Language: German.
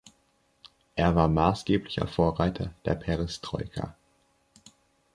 Er war maßgeblicher Vorreiter der Perestroika.